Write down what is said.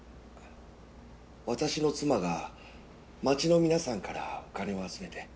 私の妻が町の皆さんからお金を集めて。